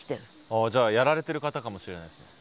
ああじゃあやられてる方かもしれないですね。